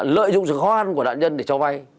lợi dụng sự khó khăn của đoạn nhân để cho vay